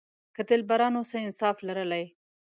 که دلبرانو څه انصاف لرلای.